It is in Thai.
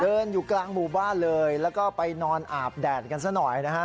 อยู่กลางหมู่บ้านเลยแล้วก็ไปนอนอาบแดดกันซะหน่อยนะฮะ